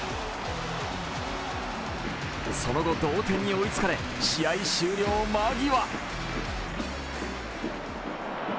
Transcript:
その後、同点に追いつかれ、試合終了間際。